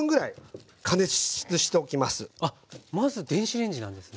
あっまず電子レンジなんですね。